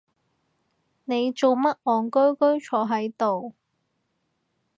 你做乜戇居居坐係度？